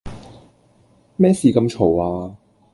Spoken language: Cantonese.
咩事咁嘈呀